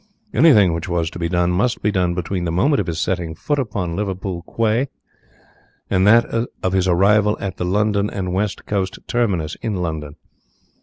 Anything which was to be done must be done between the moment of his setting foot upon the Liverpool quay and that of his arrival at the London and West Coast terminus in London.